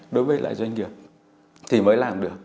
đối với lại doanh nghiệp thì mới làm được